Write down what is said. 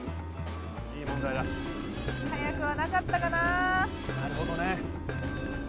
いい問題だ。早くはなかったかなあ。